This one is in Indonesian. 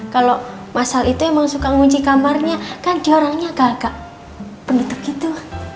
kalau mas al itu emang suka ngunci kamarnya kan diorangnya agak agak penutup gitu